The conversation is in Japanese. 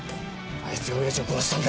あいつがおやじを殺したんだ。